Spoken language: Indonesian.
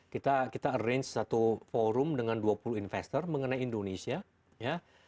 kita arrange satu forum dengan dua puluh investor mengenai indonesia ya